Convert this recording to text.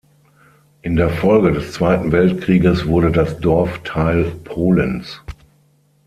In der Folge des Zweiten Weltkrieges wurde das Dorf Teil Polens.